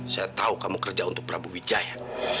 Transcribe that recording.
saya tahu kamu kerja untuk prabu wijaya